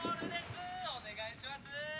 お願いします。